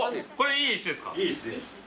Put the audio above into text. いい石です。